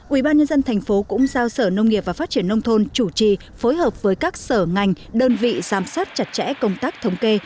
ủy ban nhân dân tp cũng giao sở nông nghiệp và phát triển nông thôn chủ trì phối hợp với các sở ngành đơn vị giám sát chặt chẽ công tác thống kê